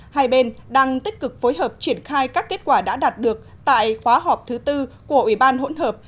hai bên đang tích cực phối hợp triển khai các kết quả đã đạt được tại khóa họp thứ tư của ủy ban hỗn hợp